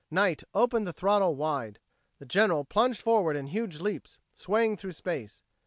Knight opened the throttle wide. The General plunged forward in huge leaps, swaying through space.